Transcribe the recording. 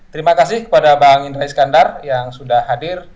terima kasih kepada bang indra iskandar yang sudah hadir